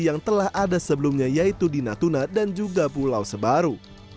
yang telah ada sebelumnya yaitu di natuna dan juga pulau sebaru